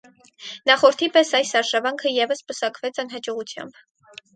Նախորդի պես այս արշավանքը ևս պսակվեց անհաջողությամբ։